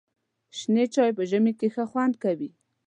شنې چای په ژمي کې ښه خوند کوي.